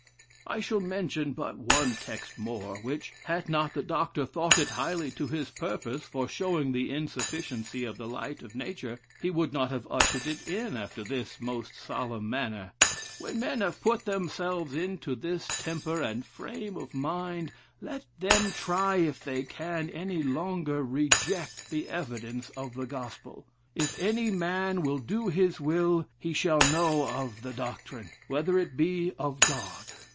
I shall mention but one text more, which, had not the Dr. thought it highly to his purpose, for showing the insufficiency of the light of nature, he would not have ushered it in after this most solemn manner: 'When men have put themselves into this temper and frame of mind, let them try if they can any longer reject the evidence of the gospel. If any man will do his will, he shall know of the doctrine; whether it be of God.'